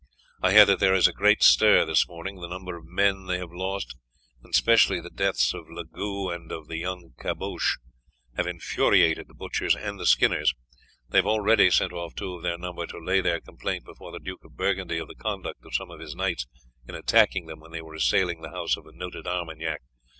I hear that there is a great stir this morning. The number of men they have lost, and specially the deaths of Legoix and of the young Caboche, have infuriated the butchers and skinners. They have already sent off two of their number to lay their complaint before the Duke of Burgundy of the conduct of some of his knights in attacking them when they were assailing the house of a noted Armagnac.